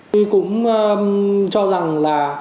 tôi cũng cho rằng là